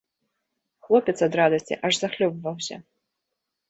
Хлопец ад радасці аж захлёбваўся.